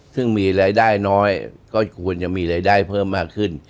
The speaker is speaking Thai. ซึ่งมีรายได้น้อยก็ควรจะมีรายได้เพิ่มมากขึ้น